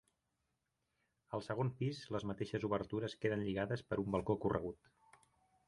Al segon pis les mateixes obertures queden lligades per un balcó corregut.